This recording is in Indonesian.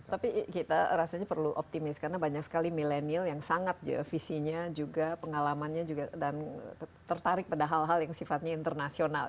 tapi kita rasanya perlu optimis karena banyak sekali milenial yang sangat visinya juga pengalamannya juga dan tertarik pada hal hal yang sifatnya internasional